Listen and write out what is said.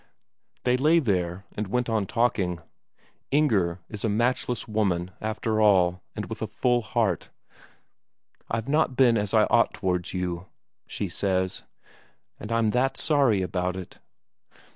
They lay there, and went on talking. Inger is a matchless woman, after all; and with a full heart, "I've not been as I ought towards you," she says, "and I'm that sorry about it."